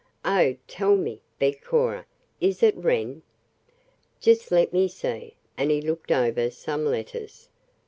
"Oh, tell me," begged Cora, "is it Wren?" "Just let me see," and he looked over some letters.